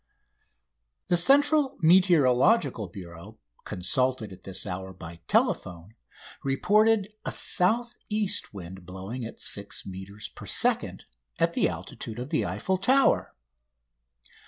The Central Meteorological Bureau, consulted at this hour by telephone, reported a south east wind blowing 6 metres per second at the altitude of the Eiffel Tower.